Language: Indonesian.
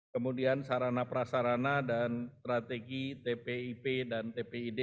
kemudian sarana prasarana dan strategi tpip dan tpid